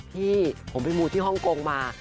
พี่ผมไปมูที่ฮ่องกงมา